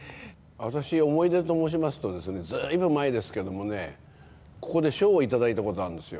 私、思い出と申しますとですね、ずいぶん前ですけれどもね、ここで賞を頂いたことがあるんですよ。